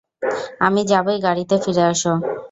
আমি যাবই গাড়িতে ফিরে আসো!